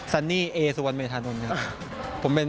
ซันนี่เอสุวรรณเมธานนท์ครับ